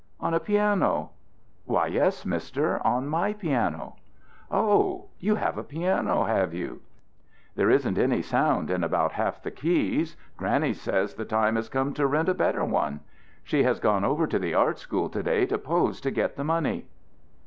"On a piano?" "Why, yes, Mister; on my piano." "Oh, you have a piano, have you?" "There isn't any sound in about half the keys. Granny says the time has come to rent a better one. She has gone over to the art school to day to pose to get the money."